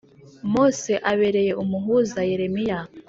Mose abereye umuhuza Yeremiya